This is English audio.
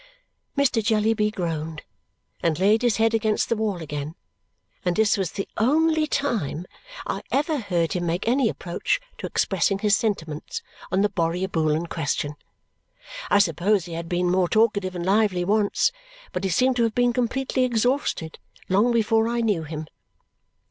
Mr. Jellyby groaned and laid his head against the wall again, and this was the only time I ever heard him make any approach to expressing his sentiments on the Borrioboolan question. I suppose he had been more talkative and lively once, but he seemed to have been completely exhausted long before I knew him.